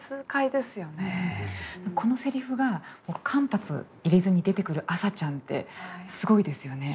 このセリフが間髪入れずに出てくる麻ちゃんってすごいですよね。